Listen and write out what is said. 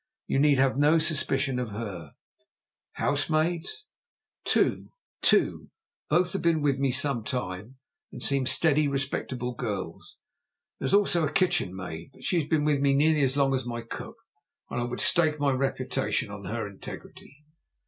You need have no suspicion of her." "Housemaids?" "Two. Both have been with me some time, and seem steady, respectable girls. There is also a kitchen maid; but she has been with me nearly as long as my cook, and I would stake my reputation on her integrity."